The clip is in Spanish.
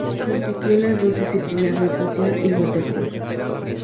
Compitió en las dos disciplinas: natación y waterpolo.